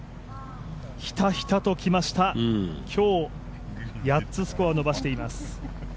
ひたひたときました、今日８つスコアを伸ばしています。